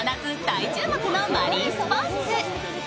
大注目のマリンスポーツ。